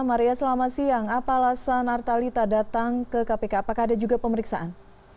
maria selamat siang apa alasan artalita datang ke kpk apakah ada juga pemeriksaan